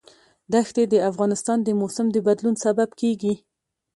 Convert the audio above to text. دښتې د افغانستان د موسم د بدلون سبب کېږي.